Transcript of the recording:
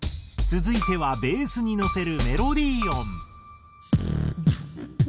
続いてはベースに乗せるメロディー音。